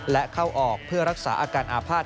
และเข้าออกเพื่อรักษาอาการอาภาษณ